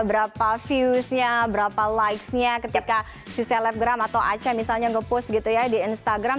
berapa viewsnya berapa likesnya ketika si selebgram atau aca misalnya nge push gitu ya di instagram